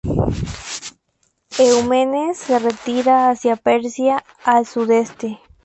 Eumenes se retira hacia Persia, al sudeste.